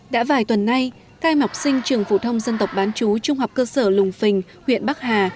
đã vài tuần nay khai mọc sinh trường phụ thông dân tộc bán chú trung học cơ sở lùng phình huyện bắc hà